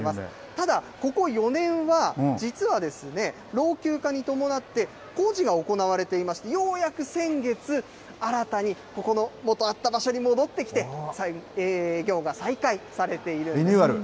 ただ、ここ４年は、実は老朽化に伴って、工事が行われていまして、ようやく先月、新たにここの元あった場所に戻ってきて、営業が再開されているんリニューアル？